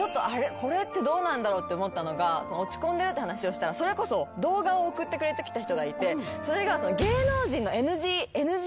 これってどうなんだろうって思ったのが落ち込んでるって話をしたらそれこそ動画を送ってくれてきた人がいてそれが。